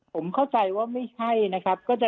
ผมเข้าใจว่าไม่ใช่นะครับ